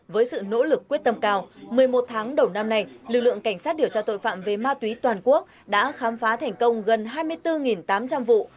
với sự nỗ lực quyết tâm cao một mươi một tháng đầu năm nay lực lượng cảnh sát điều tra tội phạm về ma túy toàn quốc đã khám phá thành công gần hai mươi bốn tám trăm linh vụ